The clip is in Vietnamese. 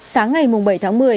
sáng ngày bảy tháng một mươi